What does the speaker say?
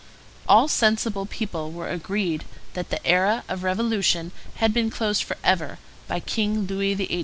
All sensible people were agreed that the era of revolution had been closed forever by King Louis XVIII.